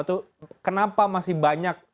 itu kenapa masih banyak